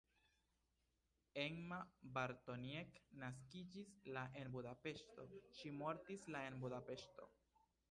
Emma Bartoniek naskiĝis la en Budapeŝto, ŝi mortis la en Budapeŝto.